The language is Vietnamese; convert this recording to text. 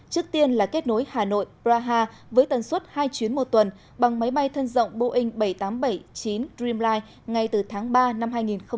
trước tiên là kết nối hà nội praha với tần suất hai chuyến một tuần bằng máy bay thân rộng boeing bảy trăm tám mươi bảy chín dream line ngay từ tháng ba năm hai nghìn hai mươi